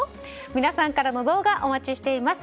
皆さんからの動画お待ちしています。